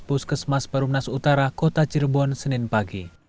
puskesmas perumnas utara kota cirebon senin pagi